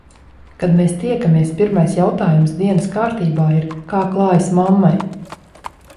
Kad mēs tiekamies, pirmais jautājums dienas kārtībā ir - kā klājas mammai?